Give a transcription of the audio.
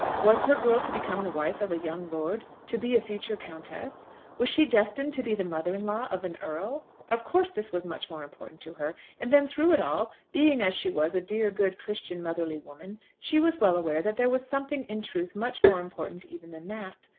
Was her girl to become the wife of a young lord, to be a future countess? Was she destined to be the mother in law of an earl? Of course this was much more important to her. And then through it all, being as she was a dear, good, Christian, motherly woman, she was well aware that there was something, in truth, much more important even than that.